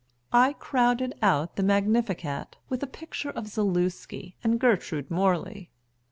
I crowded out the Magnificat with a picture of Zaluski and Gertrude Morley.